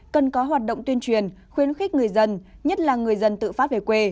cần có hoạt động tuyên truyền khuyến khích người dân nhất là người dân tự phát về quê